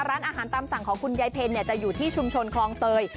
ร้านอาหารตามสั่งของคุณยายเพลจะอยู่ที่ชุมชนคลองเตย